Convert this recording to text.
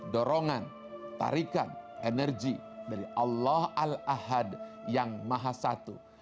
dorongan tarikan energi dari allah al ahad yang maha satu